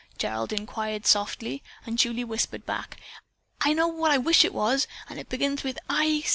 Gerald inquired softly, and Julie whispered back: "I know what I wish it was. It begins with I.